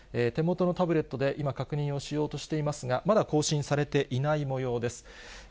手元のタブレットで今、確認をしようとしていますが、まだ更新されていないもようです。